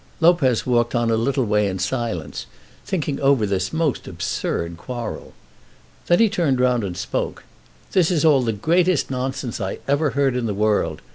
Lopez walked on a little way in silence, thinking over this most absurd quarrel. Then he turned round and spoke. "This is all the greatest nonsense I ever heard in the world.